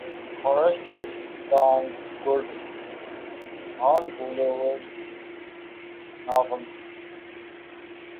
Forester's "darned good" Hornblower novels.